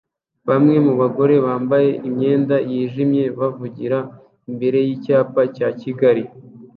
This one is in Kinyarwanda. Bamwe mu bagore bambaye imyenda yijimye bavugira imbere yicyapa cya kigali